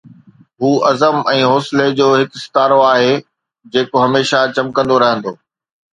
هو عزم ۽ حوصلي جو هڪ استعارو آهي، جيڪو هميشه چمڪندو رهندو.